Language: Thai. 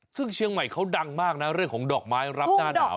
ซึ่งเชียงใหม่เขาดังมากนะเรื่องของดอกไม้รับหน้าหนาว